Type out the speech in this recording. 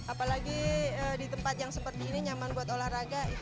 apalagi di tempat yang seperti ini nyaman buat olahraga